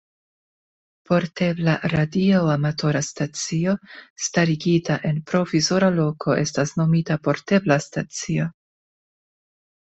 Portebla radioamatora stacio starigita en provizora loko estas nomita portebla stacio.